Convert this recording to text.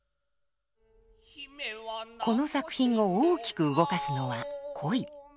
この作品を大きく動かすのは恋！